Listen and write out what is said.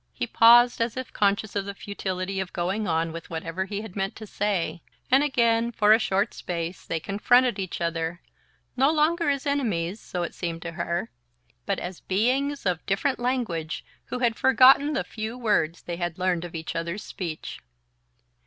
He paused, as if conscious of the futility of going on with whatever he had meant to say, and again, for a short space, they confronted each other, no longer as enemies so it seemed to her but as beings of different language who had forgotten the few words they had learned of each other's speech.